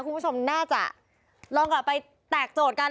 คุณผู้ชมน่าจะลองกลับไปแตกโจทย์กัน